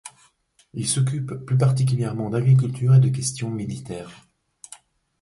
Il s'occupe plus particulièrement d'agriculture et de questions militaires.